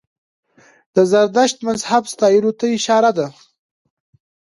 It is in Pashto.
د زردشت مذهب ستایلو ته اشاره ده.